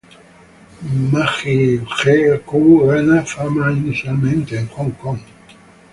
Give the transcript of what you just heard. Maggie Q ganó fama inicialmente en Hong Kong.